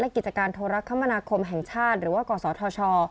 และกิจการโทรคมหังชาติหรือว่าก่อสอทช